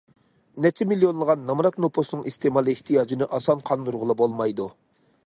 نەچچە مىليونلىغان نامرات نوپۇسنىڭ ئىستېمال ئېھتىياجىنى ئاسان قاندۇرغىلى بولمايدۇ.